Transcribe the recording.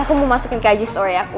gue mau masukin ke ig story aku